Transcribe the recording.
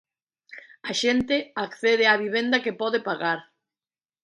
A xente accede á vivenda que pode pagar.